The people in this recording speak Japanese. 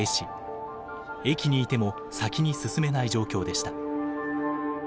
駅にいても先に進めない状況でした。